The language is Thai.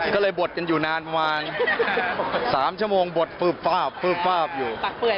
ก็เลยบดกันอยู่นานประมาณ๓ชั่วโมงบดฟืบฟาบอยู่